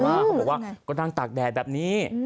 เขาบอกว่าก็นั่งตากแดดแบบนี้